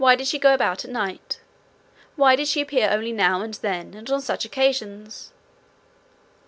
Why did she go about at night? Why did she appear only now and then, and on such occasions?